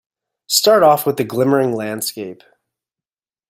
Start off with the glimmering landscape.